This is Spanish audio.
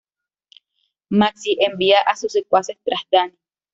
Maxie envía a sus secuaces tras Danny.